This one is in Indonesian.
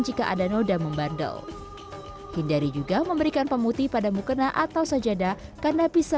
jika ada noda membandel hindari juga memberikan pemutih pada mukena atau sajadah karena bisa